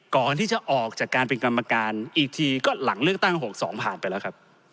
ก่อนที่จะออกจากการเป็นกรรมการอีกทีก็หลังเลือกตั้ง๖๒ผ่านไปแล้วครับ